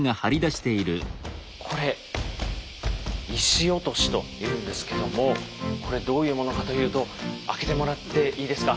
これ「石落し」というんですけどもこれどういうものかというと開けてもらっていいですか？